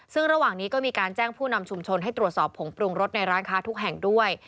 ซึ่งระหว่างนี้ก็มีการแจ้งผู้นำชุมชนให้ตรวจสอบผงปรุงรสในร้านค้าทุกแห่งด้วย